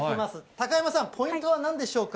高山さん、ポイントはなんでしょうか。